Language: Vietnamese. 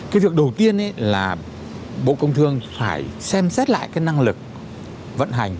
cái việc đầu tiên là bộ công thương phải xem xét lại cái năng lực vận hành